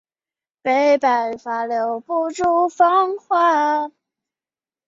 第一支摇滚乐队是万李马王乐队。